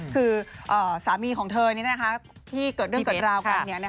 คือสามีของเธอที่เกิดเรื่องเกิดราวกัน